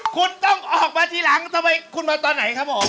คุณต้องออกมาทีหลังทำไมคุณมาตอนไหนครับผม